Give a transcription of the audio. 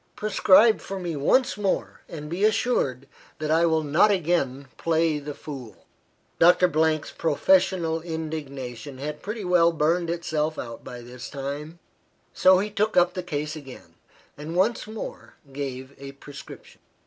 Prescribe for me once more, and be assured that I will not again play the fool." Doctor 's professional indignation had pretty well burned itself out by this time; so he took up the case again, and once more gave a prescription.